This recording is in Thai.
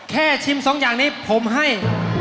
ชิมสองอย่างนี้ผมให้